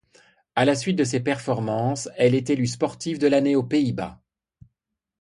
À la suite de ses performances, elle est élue sportive de l'année aux Pays-Bas.